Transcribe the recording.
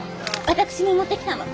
私も持ってきたの。